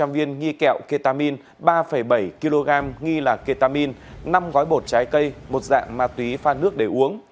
năm một trăm linh viên nghi kẹo ketamin ba bảy kg nghi là ketamin năm gói bột trái cây một dạng ma túy pha nước để uống